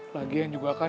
lagian juga kan